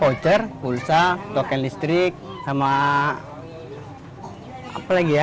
poucher pulsa token listrik sama apa lagi ya